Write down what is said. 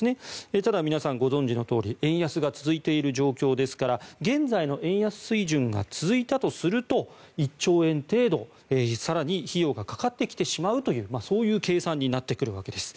ただ皆さんご存じのとおり円安が続いている状況ですから現在の円安水準が続いたとすると１兆円程度、更に費用がかかってきてしまうというそういう計算になってくるわけです。